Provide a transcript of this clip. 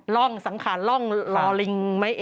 ร่องสังขารร่องรอลิงไหม